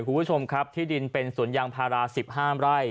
คุณผู้ชมครับที่ดินเป็นสวนยางพารา๑๕ไร่